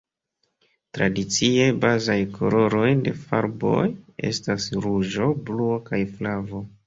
Tradicie, bazaj koloroj de farboj estas ruĝo, bluo kaj flavo.